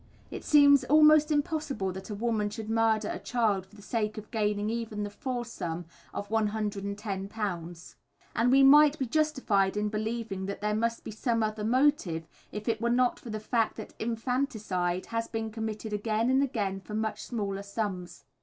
It seems almost impossible that a woman should murder a child for the sake of gaining even the full sum of £110; and we might be justified in believing that there must be some other motive if it were not for the fact that infanticide has been committed again and again for much smaller sums.